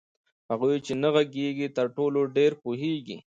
هغوئ چي نه ږغيږي ترټولو ډير پوهيږي